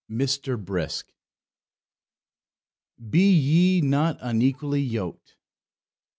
MR. BRISK "Be ye not unequally yoked."